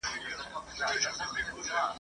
ورځ به په خلوت کي د ګناه د حسابو نه وي ..